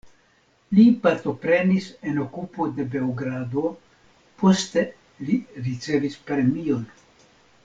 Li partoprenis en okupo de Beogrado, poste li ricevis premion.